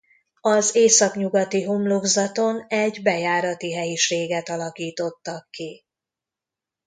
Az északnyugati homlokzaton egy bejárati helyiséget alakítottak ki.